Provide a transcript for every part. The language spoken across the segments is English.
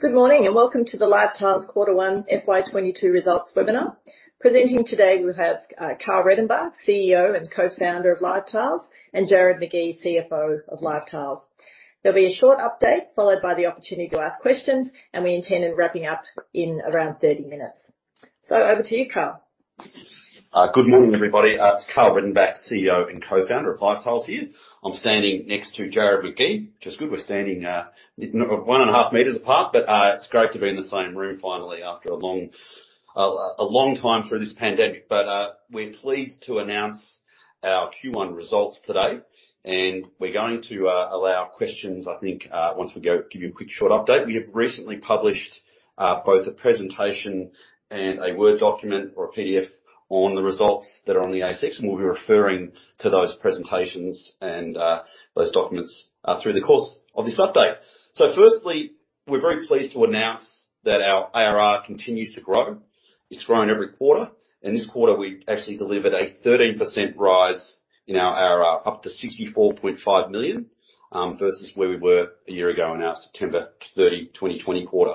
Good morning, and welcome to the LiveTiles Quarter One FY 2022 Results Webinar. Presenting today, we have Karl Redenbach, CEO and Co-Founder of LiveTiles, and Jarrod Magee, CFO of LiveTiles. There'll be a short update followed by the opportunity to ask questions, and we intend on wrapping up in around 30 minutes. Over to you, Karl. Good morning, everybody. It's Karl Redenbach, CEO and Co-Founder of LiveTiles here. I'm standing next to Jarrod Magee, which is good. We're standing 1.5 meters apart, but it's great to be in the same room finally after a long time through this pandemic. We're pleased to announce our Q1 results today, and we're going to allow questions, I think, once we give you a quick short update. We have recently published both a presentation and a Word document or a PDF on the results that are on the ASX, and we'll be referring to those presentations and those documents through the course of this update. Firstly, we're very pleased to announce that our ARR continues to grow. It's grown every quarter, and this quarter we actually delivered a 13% rise in our ARR, up to 64.5 million, versus where we were a year ago in our September 30, 2020 quarter.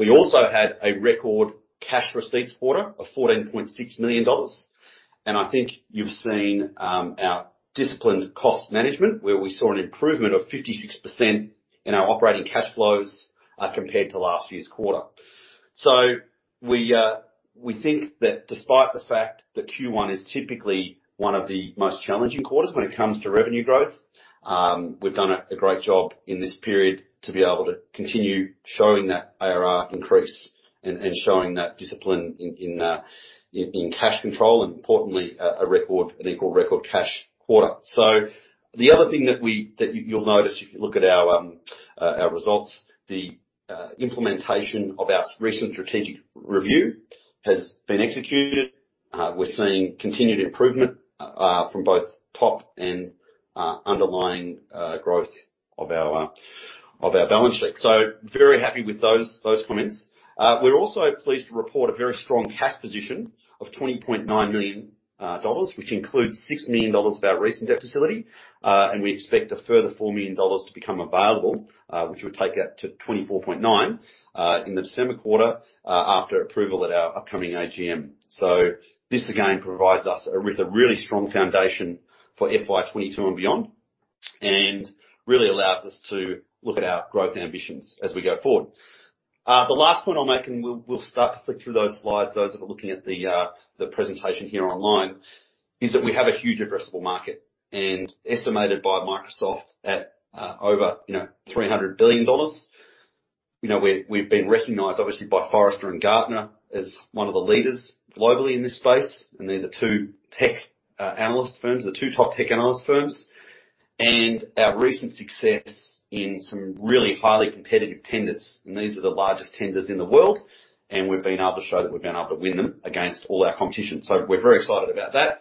We also had a record cash receipts quarter of 14.6 million dollars. I think you've seen our disciplined cost management, where we saw an improvement of 56% in our operating cash flows, compared to last year's quarter. We think that despite the fact that Q1 is typically one of the most challenging quarters when it comes to revenue growth, we've done a great job in this period to be able to continue showing that ARR increase and showing that discipline in cash control, and importantly, a record, an equal record cash quarter. The other thing that you'll notice if you look at our results, the implementation of our recent strategic review has been executed. We're seeing continued improvement from both top and underlying growth of our balance sheet. Very happy with those comments. We're also pleased to report a very strong cash position of 20.9 million dollars, which includes 6 million dollars of our recent debt facility. We expect a further 4 million dollars to become available, which would take that to 24.9 million in the December quarter after approval at our upcoming AGM. This again provides us with a really strong foundation for FY 2022 and beyond, and really allows us to look at our growth ambitions as we go forward. The last point I'll make, and we'll start to flick through those slides, those that are looking at the presentation here online, is that we have a huge addressable market estimated by Microsoft at over, you know, $300 billion. You know, we're, we've been recognized obviously by Forrester and Gartner as one of the leaders globally in this space, and they're the two tech analyst firms, the two top tech analyst firms. Our recent success in some really highly competitive tenders, and these are the largest tenders in the world, and we've been able to show that we've been able to win them against all our competition. So we're very excited about that.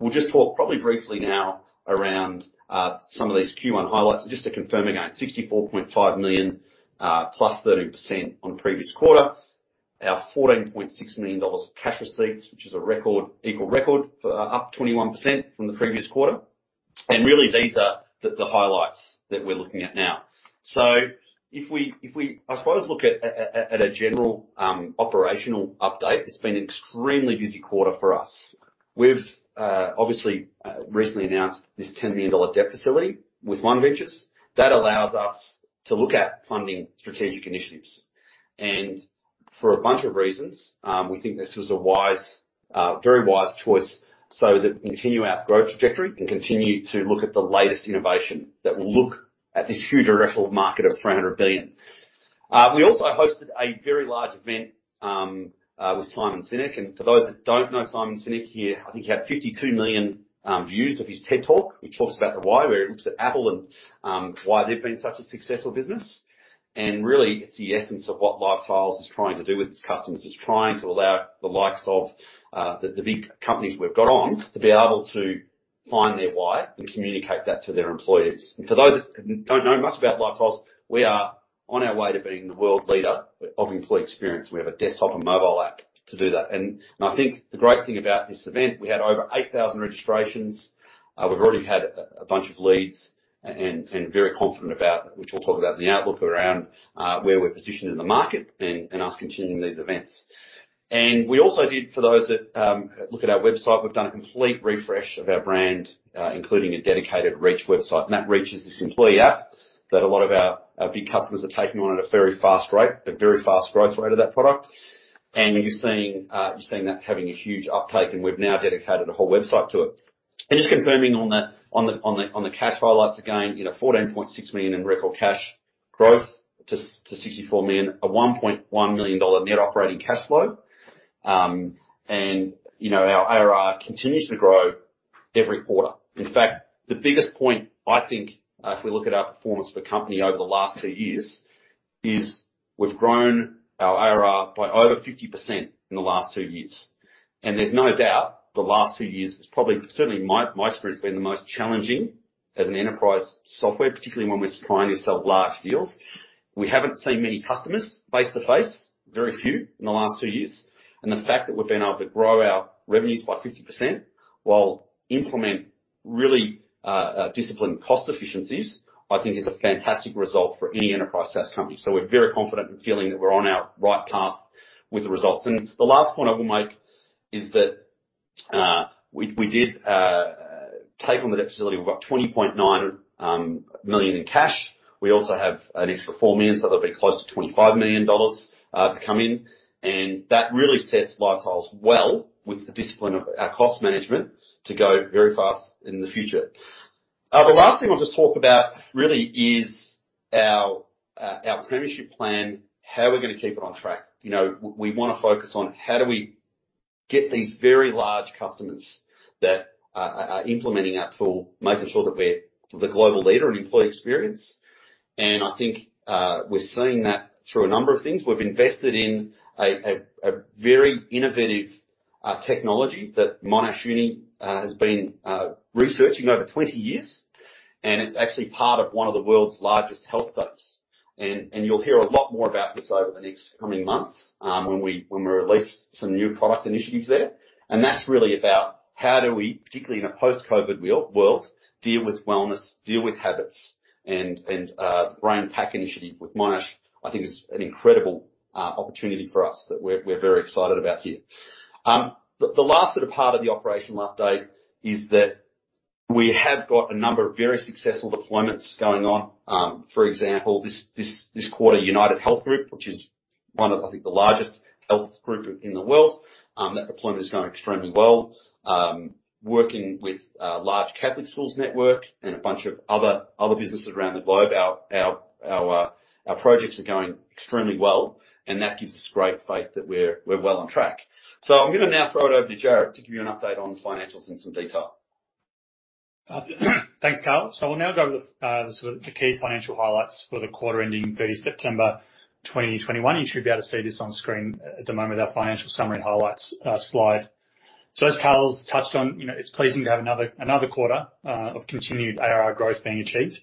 We'll just talk probably briefly now around some of these Q1 highlights. Just to confirm again, 64.5 million, +30% on previous quarter. Our 14.6 million dollars of cash receipts, which is a record up 21% from the previous quarter. Really these are the highlights that we're looking at now. If we, I suppose, look at a general operational update, it's been an extremely busy quarter for us. We've obviously recently announced this 10 million dollar debt facility with OneVentures that allows us to look at funding strategic initiatives. For a bunch of reasons, we think this was a very wise choice, so that we continue our growth trajectory and continue to look at the latest innovation that will look at this huge addressable market of $300 billion. We also hosted a very large event with Simon Sinek. For those that don't know Simon Sinek, he, I think, had 52 million views of his TED Talk, which talks about the why, where he looks at Apple and why they've been such a successful business. Really, it's the essence of what LiveTiles is trying to do with its customers. It's trying to allow the likes of the big companies we've got on to be able to find their why and communicate that to their employees. For those that don't know much about LiveTiles, we are on our way to being the world leader of employee experience. We have a desktop and mobile app to do that. I think the great thing about this event, we had over 8,000 registrations. We've already had a bunch of leads and very confident about, which we'll talk about in the outlook around where we're positioned in the market and us continuing these events. We also did, for those that look at our website, we've done a complete refresh of our brand, including a dedicated Reach website. That Reach is this employee app that a lot of our big customers are taking on at a very fast rate, a very fast growth rate of that product. You're seeing that having a huge uptake, and we've now dedicated a whole website to it. Just confirming on the cash highlights again, you know, 14.6 million in record cash growth to 64 million, 1.1 million dollar net operating cash flow. You know, our ARR continues to grow every quarter. In fact, the biggest point I think, if we look at our performance for company over the last two years, is we've grown our ARR by over 50% in the last two years. There's no doubt the last two years is probably, certainly my experience, been the most challenging as an enterprise software, particularly when we're trying to sell large deals. We haven't seen many customers face-to-face, very few in the last two years. The fact that we've been able to grow our revenues by 50% while implementing really disciplined cost efficiencies, I think is a fantastic result for any enterprise SaaS company. We're very confident in feeling that we're on our right path with the results. The last point I will make is that we did take on the debt facility. We've got 20.9 million in cash. We also have an extra 4 million, so that'll be close to 25 million dollars to come in. That really sets LiveTiles well with the discipline of our cost management to go very fast in the future. The last thing I'll just talk about really is our premiership plan, how we're gonna keep it on track. You know, we wanna focus on how do we get these very large customers that are implementing our tool, making sure that we're the global leader in employee experience. I think we're seeing that through a number of things. We've invested in a very innovative technology that Monash Uni has been researching over 20 years, and it's actually part of one of the world's largest health studies. You'll hear a lot more about this over the next coming months when we release some new product initiatives there. That's really about how do we, particularly in a post-COVID world, deal with wellness, deal with habits. The BrainPack initiative with Monash, I think is an incredible opportunity for us that we're very excited about here. The last sort of part of the operational update is that we have got a number of very successful deployments going on. For example, this quarter, UnitedHealth Group, which is one of, I think, the largest health group in the world, that deployment is going extremely well, working with a large Catholic schools network and a bunch of other businesses around the globe. Our projects are going extremely well, and that gives us great faith that we're well on track. I'm gonna now throw it over to Jarrod to give you an update on the financials in some detail. Thanks, Karl. I'll now go over the sort of key financial highlights for the quarter ending 30 September 2021. You should be able to see this on screen at the moment, our financial summary highlights slide. As Karl's touched on, you know, it's pleasing to have another quarter of continued ARR growth being achieved.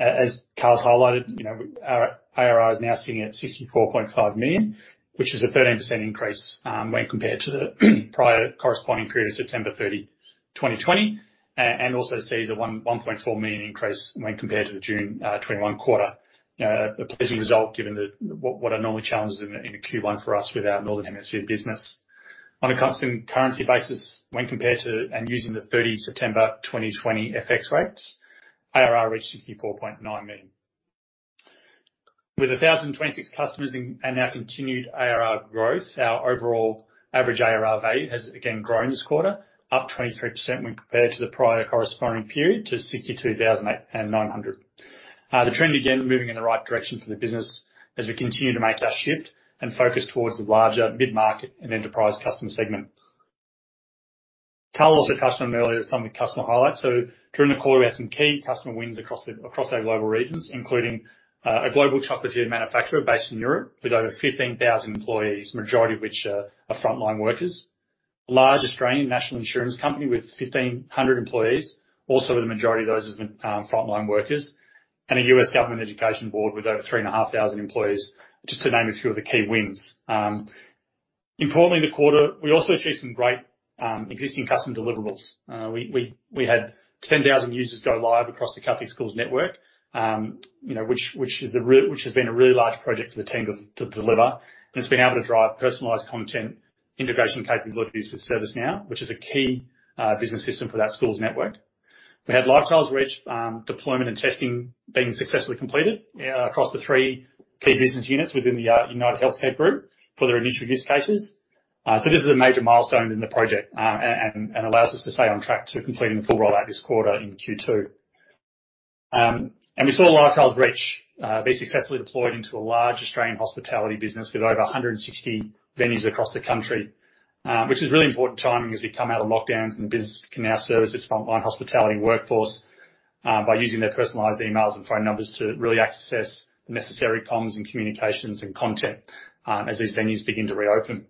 As Karl's highlighted, you know, our ARR is now sitting at 64.5 million, which is a 13% increase when compared to the prior corresponding period of September 30, 2020, and also sees a 1.4 million increase when compared to the June 2021 quarter. A pleasing result given the challenges in a Q1 for us with our Northern Hemisphere business. On a constant currency basis, when compared to and using the 30 September 2020 FX rates, ARR reached 64.9 million. With 1,026 customers and our continued ARR growth, our overall average ARR value has again grown this quarter, up 23% when compared to the prior corresponding period to 62,900. The trend again, moving in the right direction for the business as we continue to make our shift and focus towards the larger mid-market and enterprise customer segment. Karl also touched on earlier some of the customer highlights. During the call, we had some key customer wins across our global regions, including a global chocolatier manufacturer based in Europe with over 15,000 employees, majority of which are frontline workers. Large Australian national insurance company with 1,500 employees, also the majority of those as frontline workers. A U.S. government education board with over 3,500 employees, just to name a few of the key wins. Importantly in the quarter, we also achieved some great existing customer deliverables. We had 10,000 users go live across the Catholic schools network, you know, which has been a really large project for the team to deliver. It's been able to drive personalized content integration capabilities with ServiceNow, which is a key business system for that schools network. We had LiveTiles Reach deployment and testing being successfully completed across the three key business units within the UnitedHealth Group for their initial use cases. This is a major milestone in the project, and allows us to stay on track to completing the full rollout this quarter in Q2. We saw LiveTiles Reach be successfully deployed into a large Australian hospitality business with over 160 venues across the country, which is really important timing as we come out of lockdowns and business can now service its frontline hospitality workforce, by using their personalized emails and phone numbers to really access the necessary comms and communications and content, as these venues begin to reopen.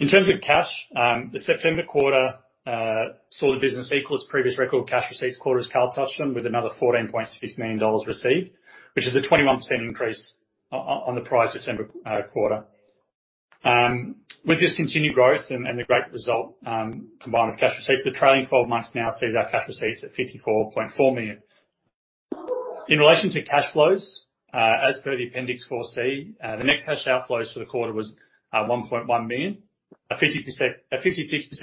In terms of cash, the September quarter saw the business equal its previous record cash receipts quarter, as Karl touched on, with another 14.6 million dollars received, which is a 21% increase on the prior September quarter. With this continued growth and the great result, combined with cash receipts, the trailing twelve months now sees our cash receipts at 54.4 million. In relation to cash flows, as per the Appendix 4C, the net cash outflows for the quarter was one point one million, a 56%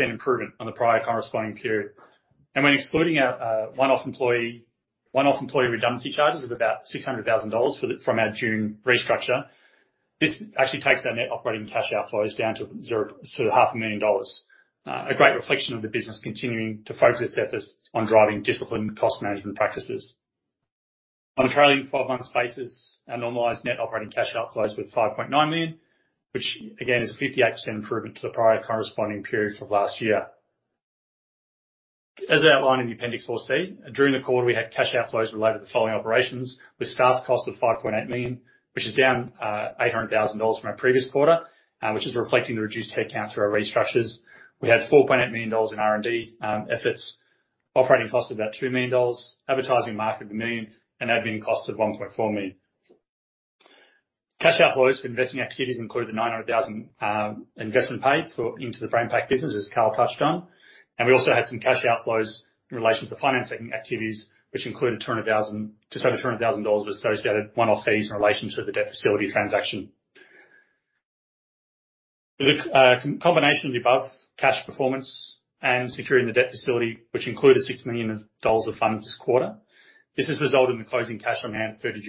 improvement on the prior corresponding period. When excluding our one-off employee redundancy charges of about 600,000 dollars for the from our June restructure, this actually takes our net operating cash outflows down to zero, sort of 0.5 million dollars. A great reflection of the business continuing to focus its efforts on driving disciplined cost management practices. On a trailing twelve months basis, our normalized net operating cash outflows were 5.9 million, which again is a 58% improvement to the prior corresponding period of last year. As outlined in the Appendix 4C, during the quarter, we had cash outflows related to the following operations with staff costs of 5.8 million, which is down 800,000 dollars from our previous quarter, which is reflecting the reduced headcount through our restructures. We had 4.8 million dollars in R&D efforts. Operating cost about 2 million dollars. Advertising, marketing, 1 million. Admin costs of 1.4 million. Cash outflows for investing activities include the 900,000 investment paid for into the BrainPack business, as Karl touched on. We also had some cash outflows in relation to the financing activities, which included 200,000, just over 200,000 dollars of associated one-off fees in relation to the debt facility transaction. The combination of the above cash performance and securing the debt facility, which included 6 million dollars of funds this quarter, this has resulted in the closing cash on hand 30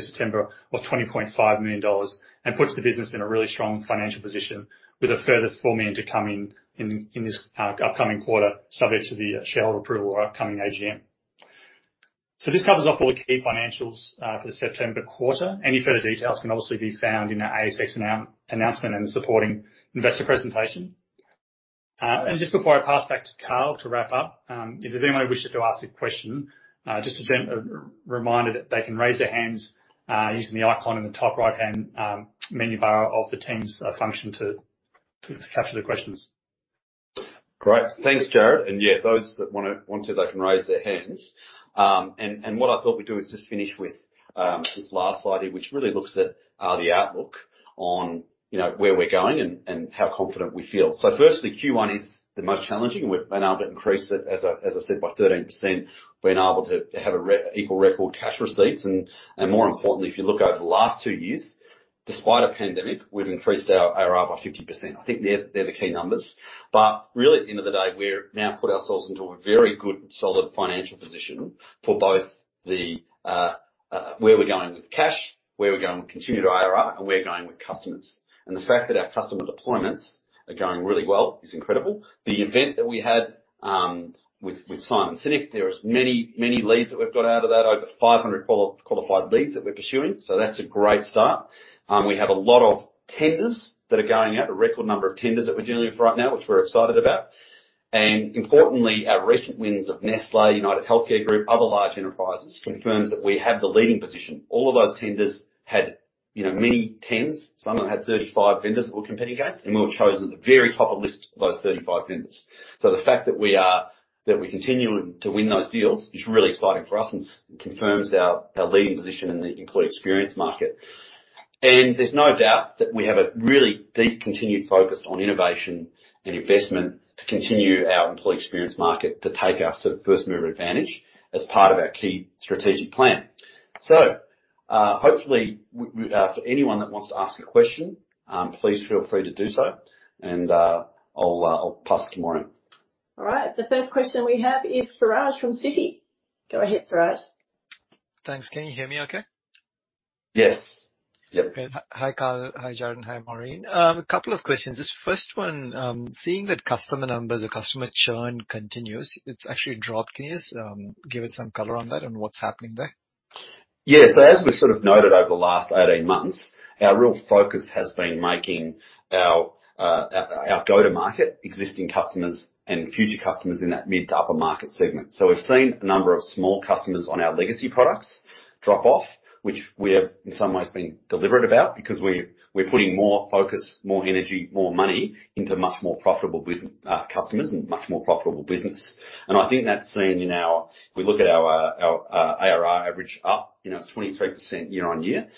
September of 20.5 million dollars, and puts the business in a really strong financial position with a further AUD 4 million to come in in this upcoming quarter, subject to the shareholder approval or upcoming AGM. This covers off all the key financials for the September quarter. Any further details can obviously be found in our ASX announcement and the supporting investor presentation. Just before I pass back to Karl to wrap up, if there's anyone who wishes to ask a question, just to send a reminder that they can raise their hands using the icon in the top right-hand menu bar of the Teams function to capture the questions. Great. Thanks, Jarrod. Yeah, those that want to, they can raise their hands. What I thought we'd do is just finish with this last slide here, which really looks at the outlook on, you know, where we're going and how confident we feel. Firstly, Q1 is the most challenging. We've been able to increase it as I said, by 13%. We've been able to have a record cash receipts. More importantly, if you look over the last two years, despite a pandemic, we've increased our ARR by 50%. I think they're the key numbers. Really, at the end of the day, we've now put ourselves into a very good, solid financial position for both the where we're going with cash, where we're going with continued ARR, and where we're going with customers. The fact that our customer deployments are going really well is incredible. The event that we had with Simon Sinek, there are many leads that we've got out of that. Over 500 qualified leads that we're pursuing. That's a great start. We have a lot of tenders that are going out. A record number of tenders that we're dealing with right now, which we're excited about. Importantly, our recent wins of Nestlé, UnitedHealth Group, other large enterprises, confirms that we have the leading position. All of those tenders had, you know, many tens. Some of them had 35 vendors that were competing against, and we were chosen at the very top of the list of those 35 vendors. The fact that we continue to win those deals is really exciting for us and confirms our leading position in the employee experience market. There's no doubt that we have a really deep, continued focus on innovation and investment to continue our employee experience market, to take our sort of first mover advantage as part of our key strategic plan. Hopefully for anyone that wants to ask a question, please feel free to do so. I'll pass to Maureen. All right. The first question we have is Suraj from Citi. Go ahead, Suraj. Thanks. Can you hear me okay? Yes. Yep. Great. Hi, Karl. Hi, Jarrod. Hi, Maureen. A couple of questions. This first one, seeing that customer numbers or customer churn continues, it's actually dropped. Can you just give us some color on that and what's happening there? Yeah. As we sort of noted over the last 18 months, our real focus has been making our go-to-market, existing customers and future customers in that mid- to upper-market segment. We've seen a number of small customers on our legacy products drop off, which we have in some ways been deliberate about because we're putting more focus, more energy, more money into much more profitable customers and much more profitable business. I think that's seen in our ARR average up, you know, it's 23% year-on-year,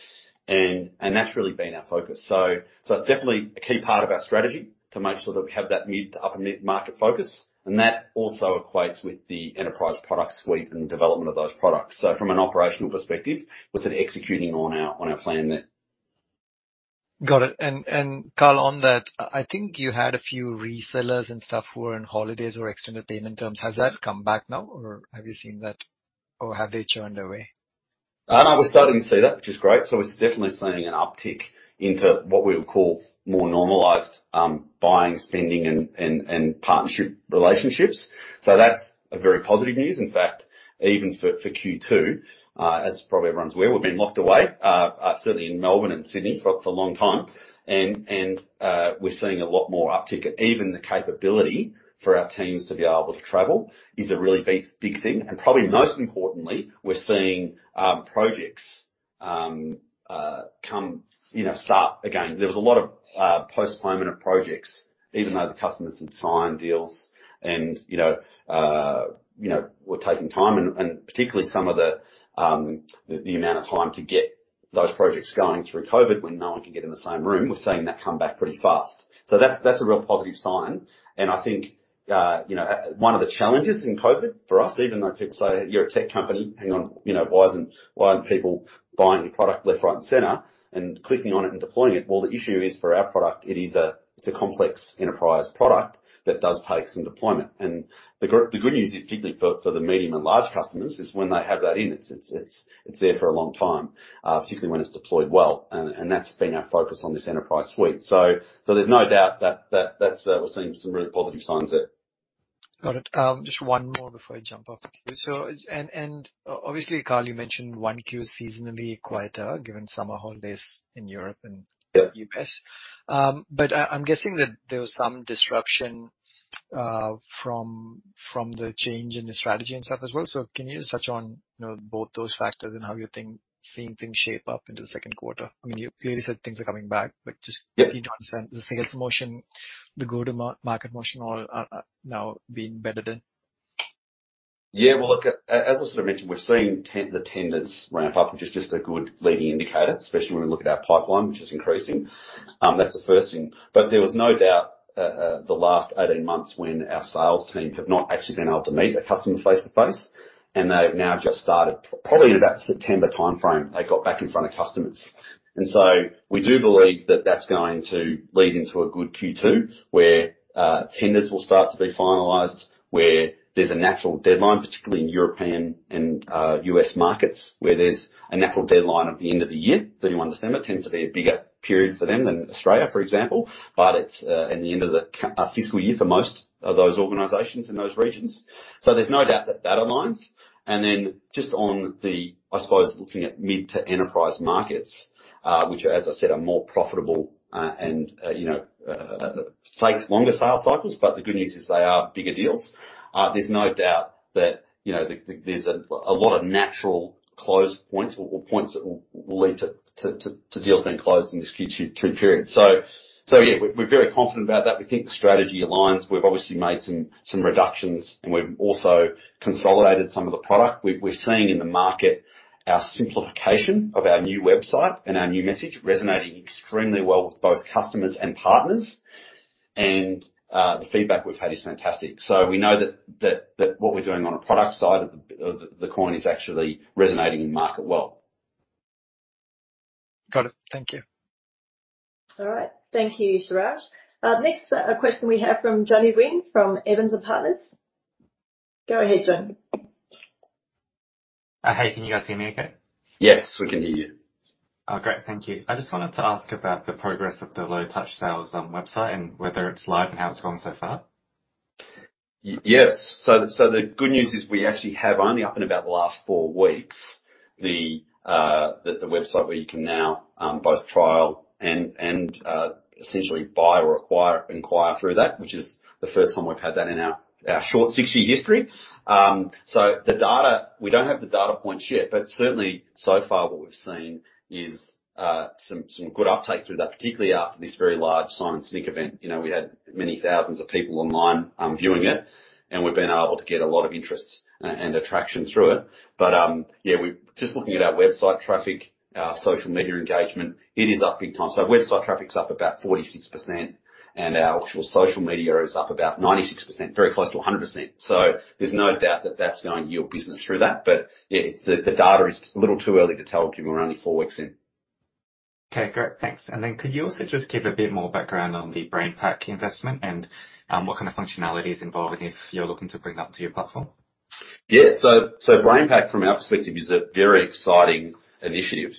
and that's really been our focus. It's definitely a key part of our strategy to make sure that we have that mid- to upper-mid-market focus. That also equates with the enterprise product suite and development of those products. From an operational perspective, we're sort of executing on our plan there. Got it. Karl, on that, I think you had a few resellers and stuff who were on holidays or extended payment terms. Has that come back now or have you seen that or have they churned away? No. We're starting to see that, which is great. We're definitely seeing an uptick into what we would call more normalized buying, spending and partnership relationships. That's a very positive news. In fact, even for Q2, as probably everyone's aware, we've been locked away certainly in Melbourne and Sydney for a long time. We're seeing a lot more uptick. Even the capability for our teams to be able to travel is a really big thing. Probably most importantly, we're seeing projects come, you know, start again. There was a lot of postponement of projects, even though the customers had signed deals and, you know, were taking time and particularly some of the amount of time to get those projects going through COVID, when no one can get in the same room. We're seeing that come back pretty fast. That's a real positive sign. I think, you know, one of the challenges in COVID for us, even though people say you're a tech company, hang on, you know, why aren't people buying your product left, right and center and clicking on it and deploying it? Well, the issue is for our product, it's a complex enterprise product that does take some deployment. The good news is, particularly for the medium and large customers, is when they have that in, it's there for a long time, particularly when it's deployed well. That's been our focus on this enterprise suite. There's no doubt that that's. We're seeing some really positive signs there. Got it. Just one more before I jump off the queue. Obviously, Karl, you mentioned 1Q is seasonally quieter given summer holidays in Europe and Yeah. U.S. I'm guessing that there was some disruption from the change in the strategy and stuff as well. Can you just touch on, you know, both those factors and how you're seeing things shape up into the second quarter? I mean, you already said things are coming back, but just- Yeah. if you don't send the sales motion, the go-to-market motion all are now being better than Yeah. Well, look, as I sort of mentioned, we've seen the tenders ramp up, which is just a good leading indicator, especially when we look at our pipeline, which is increasing. That's the first thing. There was no doubt the last 18 months when our sales team have not actually been able to meet a customer face-to-face, and they've now just started, probably in about September timeframe, they got back in front of customers. We do believe that that's going to lead into a good Q2, where tenders will start to be finalized, where there's a natural deadline, particularly in European and U.S. markets, where there's a natural deadline at the end of the year, 31 December tends to be a bigger period for them than Australia, for example. It's in the end of the fiscal year for most of those organizations in those regions. There's no doubt that that aligns. Then just on the, I suppose, looking at mid to enterprise markets, which as I said, are more profitable, and you know, takes longer sales cycles, but the good news is they are bigger deals. There's no doubt that, you know, there's a lot of natural close points or points that will lead to deals being closed in this Q2 period. Yeah, we're very confident about that. We think the strategy aligns. We've obviously made some reductions, and we've also consolidated some of the product. We're seeing in the market our simplification of our new website and our new message resonating extremely well with both customers and partners. The feedback we've had is fantastic. We know that what we're doing on a product side of the coin is actually resonating in the market well. Got it. Thank you. All right. Thank you, Suraj. Next question we have from Johnny Huynh from Evans & Partners. Go ahead, Johnny. Hey, can you guys hear me okay? Yes, we can hear you. Oh, great. Thank you. I just wanted to ask about the progress of the low touch sales, website and whether it's live and how it's going so far. Yes. The good news is we actually have only had it up in about the last four weeks, the website where you can now both trial and essentially buy or inquire through that, which is the first time we've had that in our short six-year history. The data, we don't have the data points yet, but certainly so far what we've seen is some good uptake through that, particularly after this very large Simon Sinek event. You know, we had many thousands of people online viewing it, and we've been able to get a lot of interest and attraction through it. Just looking at our website traffic, our social media engagement, it is up big time. Website traffic's up about 46% and our actual social media is up about 96%, very close to 100%. There's no doubt that that's going to yield business through that. Yeah, it's the data is a little too early to tell, given we're only four weeks in. Okay, great. Thanks. Could you also just give a bit more background on the BrainPack investment and what kind of functionality is involved and if you're looking to bring that to your platform? Yeah. BrainPack, from our perspective, is a very exciting initiative,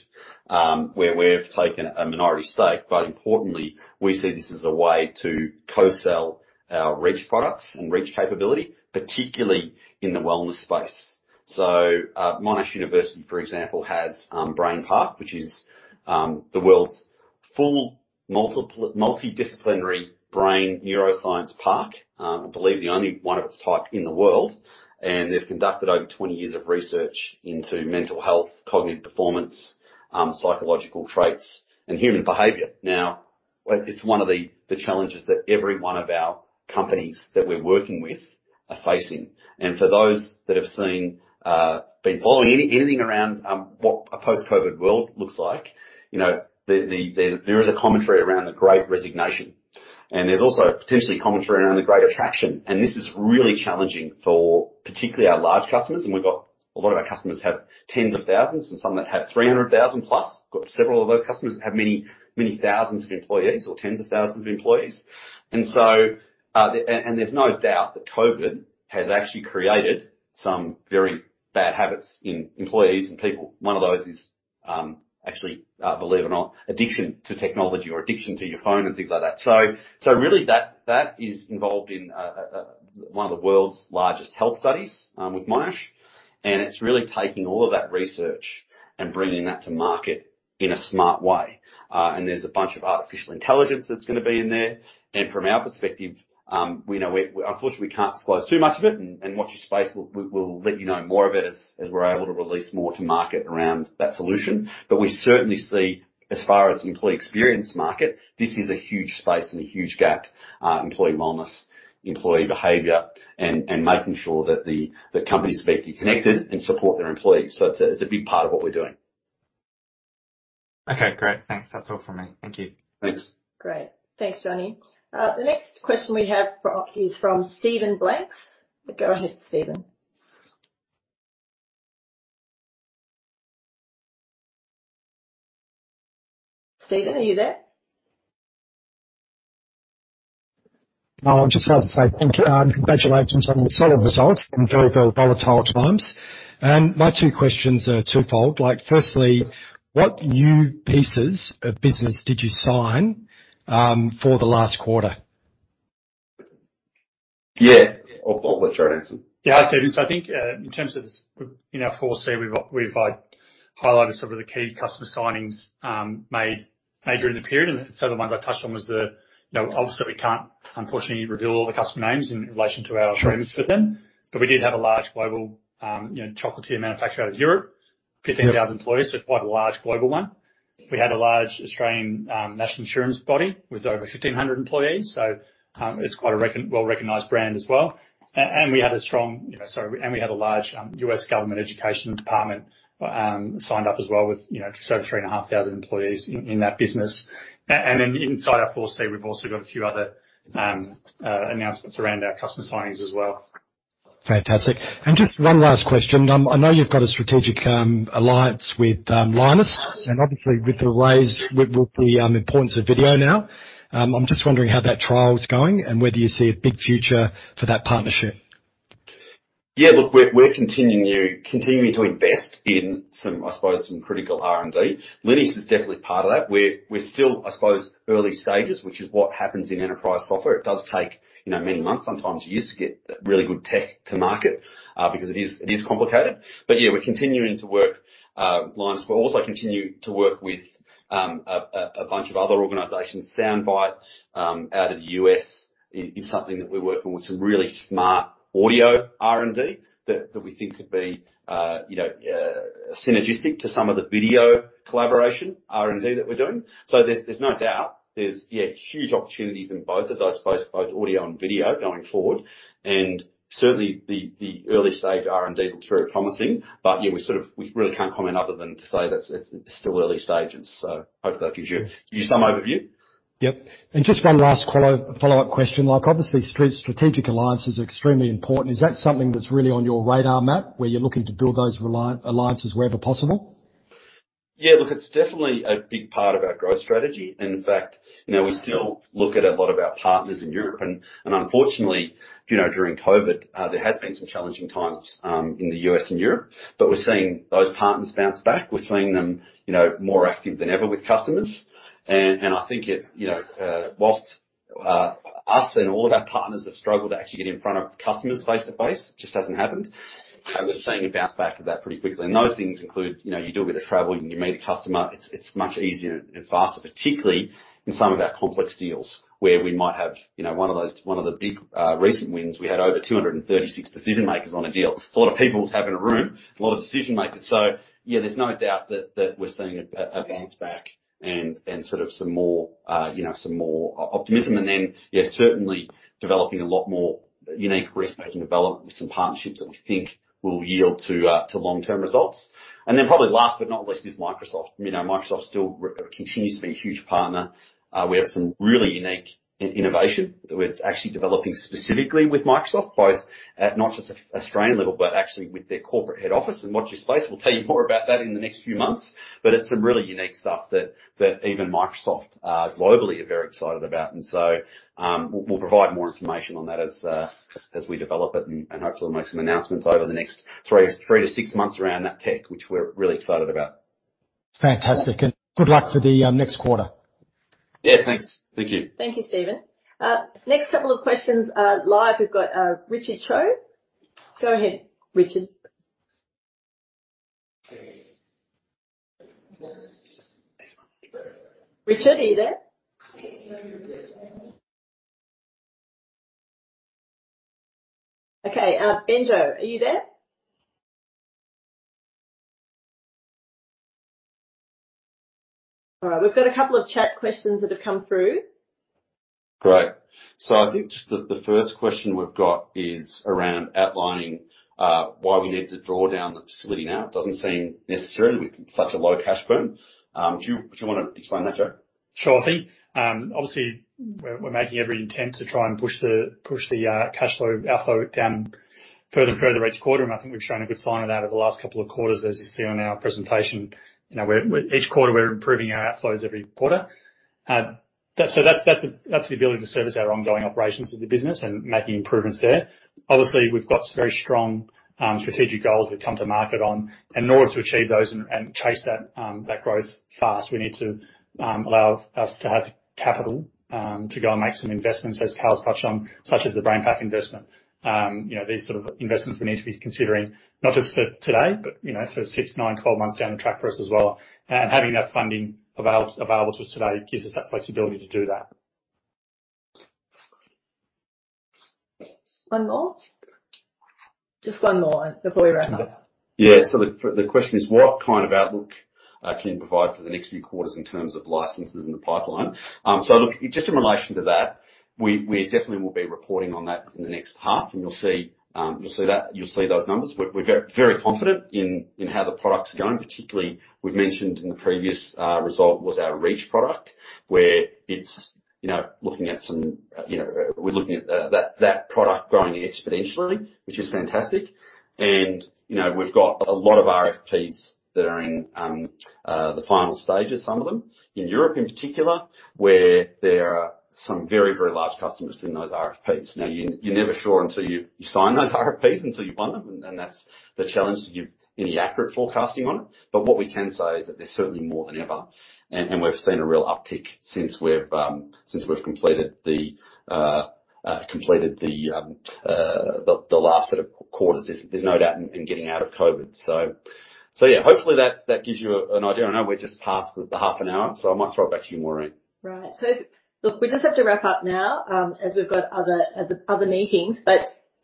where we've taken a minority stake. Importantly, we see this as a way to co-sell our Reach products and Reach capability, particularly in the wellness space. Monash University, for example, has BrainPark, which is the world's multidisciplinary brain neuroscience park. I believe the only one of its type in the world. They've conducted over 20 years of research into mental health, cognitive performance, psychological traits, and human behavior. Now, it's one of the challenges that every one of our companies that we're working with are facing. For those that have seen, been following anything around what a post-COVID world looks like, you know, there's a commentary around the great resignation. There's also potentially a commentary around the great attraction. This is really challenging for particularly our large customers. We've got a lot of our customers have tens of thousands and some that have 300,000+. Got several of those customers that have many, many thousands of employees or tens of thousands of employees. There's no doubt that COVID has actually created some very bad habits in employees and people. One of those is actually, believe it or not, addiction to technology or addiction to your phone and things like that. Really that is involved in one of the world's largest health studies with Monash, and it's really taking all of that research and bringing that to market in a smart way. There's a bunch of artificial intelligence that's gonna be in there. From our perspective, unfortunately, we can't disclose too much of it. Watch this space, we will let you know more of it as we're able to release more to market around that solution. We certainly see as far as employee experience market, this is a huge space and a huge gap, employee wellness, employee behavior, and making sure that the companies can be connected and support their employees. It's a big part of what we're doing. Okay, great. Thanks. That's all from me. Thank you. Thanks. Great. Thanks, Johnny. The next question we have is from Steven Blanks. Go ahead, Steven. Steven, are you there? Oh, I just have to say thank you and congratulations on the solid results in very, very volatile times. My two questions are twofold. Like, firstly, what new pieces of business did you sign for the last quarter? Yeah. I'll let Jarrod answer. Yeah. I think in terms of you know forward we've highlighted some of the key customer signings made during the period. The ones I touched on was the you know obviously we can't unfortunately reveal all the customer names in relation to our agreements with them. Sure. We did have a large global, you know, chocolatier manufacturer in Europe. 15,000 employees, so quite a large global one. We had a large Australian national insurance body with over 1,500 employees, so it's quite a well-recognized brand as well. We had a large U.S. government education department signed up as well with you know just over 3,500 employees in that business. Then inside our 4C, we've also got a few other announcements around our customer signings as well. Fantastic. Just one last question. I know you've got a strategic alliance with Linus, and obviously with the importance of video now, I'm just wondering how that trial's going and whether you see a big future for that partnership. Yeah. Look, we're continuing to invest in some critical R&D. Linus is definitely part of that. We're still in early stages, which is what happens in enterprise software. It does take, you know, many months, sometimes years to get really good tech to market because it is complicated. Yeah, we're continuing to work with Linus. We'll also continue to work with a bunch of other organizations. Soundbite.ai out of the U.S. is something that we're working with, some really smart audio R&D that we think could be synergistic to some of the video collaboration R&D that we're doing. There's no doubt there's huge opportunities in both of those spaces, both audio and video going forward. Certainly the early-stage R&D looks very promising. Yeah, we really can't comment other than to say that it's still early stages. Hopefully that gives you some overview. Yep. Just one last follow-up question. Like, obviously strategic alliance is extremely important. Is that something that's really on your radar map, where you're looking to build those alliances wherever possible? Yeah. Look, it's definitely a big part of our growth strategy. In fact, you know, we still look at a lot of our partners in Europe. Unfortunately, you know, during COVID, there has been some challenging times in the U.S. and Europe, but we're seeing those partners bounce back. We're seeing them, you know, more active than ever with customers. I think it, you know, whilst us and all of our partners have struggled to actually get in front of customers face-to-face, just hasn't happened. We're seeing a bounce back of that pretty quickly. Those things include, you know, you do a bit of traveling, you meet a customer, it's much easier and faster, particularly in some of our complex deals where we might have, you know, one of the big recent wins, we had over 236 decision-makers on a deal. A lot of people to have in a room, a lot of decision-makers. Yeah, there's no doubt that we're seeing a bounce back and sort of some more, you know, some more optimism. Then, yeah, certainly developing a lot more unique IP co-development with some partnerships that we think will yield to long-term results. Then probably last but not least is Microsoft. You know, Microsoft still continues to be a huge partner. We have some really unique innovation where it's actually developing specifically with Microsoft, both at not just an Australian level, but actually with their corporate head office in watch this space. We'll tell you more about that in the next few months, but it's some really unique stuff that even Microsoft globally are very excited about. We'll provide more information on that as we develop it and hopefully we'll make some announcements over the next three to six months around that tech, which we're really excited about. Fantastic. Good luck for the next quarter. Yeah, thanks. Thank you. Thank you, Steven. Next couple of questions, live. We've got Richard Cho. Go ahead, Richard. Richard, are you there? Okay. Benjo, are you there? All right. We've got a couple of chat questions that have come through. Great. I think just the first question we've got is around outlining why we need to draw down the facility now. It doesn't seem necessary with such a low cash burn. Do you wanna explain that, Jarrod? Sure thing. Obviously we're making every intent to try and push the cash flow outflow down further and further each quarter, and I think we've shown a good sign of that over the last couple of quarters, as you see on our presentation. You know, each quarter we're improving our outflows every quarter. That's the ability to service our ongoing operations of the business and making improvements there. Obviously, we've got very strong strategic goals we've come to market on, and in order to achieve those and chase that growth fast, we need to allow us to have capital to go and make some investments, as Karl's touched on, such as the BrainPack investment. You know, these sort of investments we need to be considering not just for today, but, you know, for 6, 9, 12 months down the track for us as well. Having that funding available to us today gives us that flexibility to do that. One more? Just one more before we wrap up. Yeah. The question is, what kind of outlook can you provide for the next few quarters in terms of licenses in the pipeline? Look, just in relation to that, we definitely will be reporting on that in the next half, and you'll see that, you'll see those numbers. We're very confident in how the products are going. Particularly, we've mentioned in the previous result was our Reach product, where you know that product growing exponentially, which is fantastic. You know, we've got a lot of RFPs that are in the final stages, some of them. In Europe in particular, where there are some very large customers in those RFPs. Now, you're never sure until you sign those RFPs, until you've won them, and that's the challenge to give any accurate forecasting on it. But what we can say is that there's certainly more than ever, and we've seen a real uptick since we've completed the last set of quarters. There's no doubt in getting out of COVID. Yeah, hopefully that gives you an idea. I know we're just past the half an hour, so I might throw it back to you, Maureen. Right. Look, we just have to wrap up now, as we've got other meetings.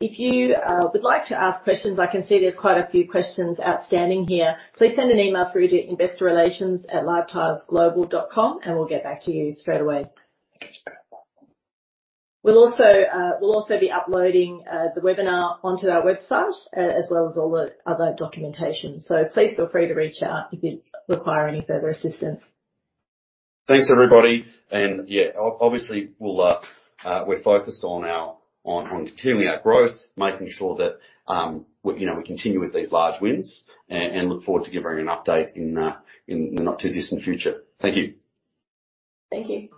If you would like to ask questions, I can see there's quite a few questions outstanding here. Please send an email through to investorrelations@livetilesglobal.com, and we'll get back to you straight away. We'll also be uploading the webinar onto our website as well as all the other documentation. Please feel free to reach out if you require any further assistance. Thanks, everybody. Yeah, obviously we're focused on continuing our growth, making sure that we, you know, we continue with these large wins and look forward to giving an update in the not too distant future. Thank you. Thank you.